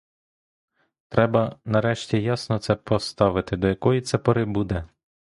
Треба, нарешті, ясно це поставити, до якої це пори буде!